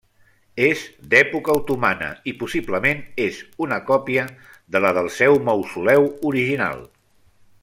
És d'època otomana, i possiblement és una còpia de la del seu mausoleu original.